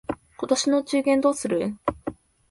今年のお中元どうする？